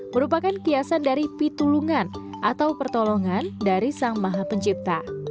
merupakan kiasan dari pitulungan atau pertolongan dari sang maha pencipta